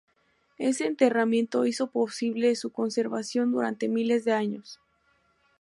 Ese enterramiento hizo posible su conservación durante miles de años.